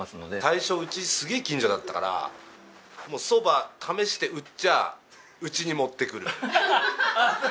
最初家すげえ近所だったから蕎麦試して打っちゃあ家に持ってくる。